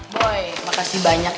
boy makasih banyak